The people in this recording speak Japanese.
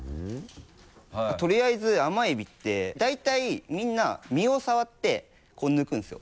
とりあえず甘エビって大体みんな身を触って抜くんですよ。